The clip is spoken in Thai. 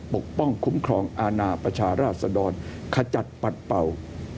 ปกป้องคุ้มครองอาณาประชาราชดรขจัดปัดเป่า